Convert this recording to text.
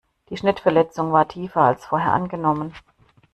Die Schnittverletzung war tiefer als vorher angenommen.